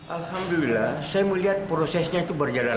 alhamdulillah saya melihat prosesnya itu berjalan